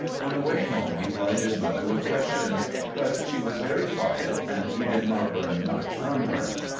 On the way home he plied his mother with questions, but she was very quiet and he did not learn much from her.